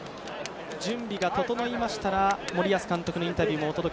準備が整いましたら森保監督のインタビューです。